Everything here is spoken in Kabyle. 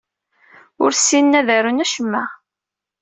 Ur ssinen ad arun acemma.